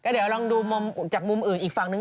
เดี๋ยวลองดูจากมุมอื่นอีกฝั่งนึง